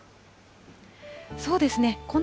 そうですね。